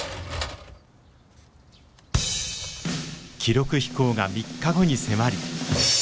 記録飛行が３日後に迫り。